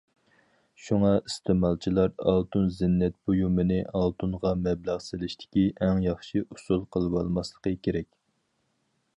شۇڭا ئىستېمالچىلار ئالتۇن زىننەت بۇيۇمىنى ئالتۇنغا مەبلەغ سېلىشتىكى ئەڭ ياخشى ئۇسۇل قىلىۋالماسلىقى كېرەك.